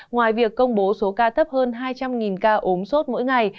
ngoài việc công bố số ca tấp hơn hai trăm linh ca ốm sốt mỗi ngày